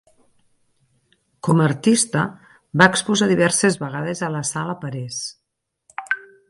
Com a artista, va exposar diverses vegades a la Sala Parés.